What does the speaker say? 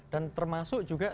dan termasuk juga